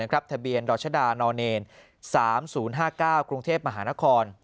ทะเบียนดรชดาน๓๐๕๙กรุงเทพมหานคร